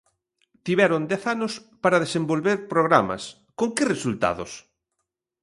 Tiveron dez anos para desenvolver programas, ¿con que resultados?